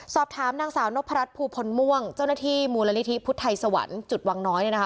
สอบถามนางสาวนพรัชภูพลม่วงเจ้าหน้าที่มูลนิธิพุทธไทยสวรรค์จุดวังน้อยเนี่ยนะคะ